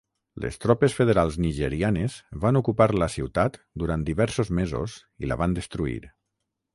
Les tropes federals nigerianes van ocupar la ciutat durant diversos mesos i la van destruir.